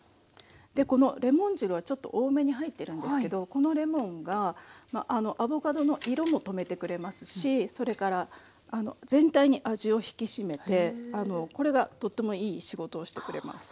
このレモン汁はちょっと多めに入ってるんですけどこのレモンがアボカドの色もとめてくれますしそれから全体に味を引き締めてこれがとってもいい仕事をしてくれます。